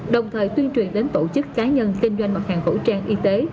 đồng thời tuyên truyền đến tổ chức cá nhân kinh doanh mặt hàng khẩu trang y tế